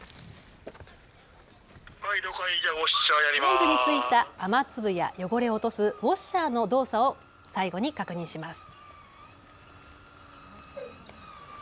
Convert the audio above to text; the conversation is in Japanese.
レンズについた雨粒や汚れを落とすウォッシャーの動作を最後に確認します。